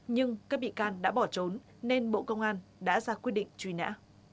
nhưng các bị can đã bỏ trốn nên bộ công an đã ra quyết định truy nã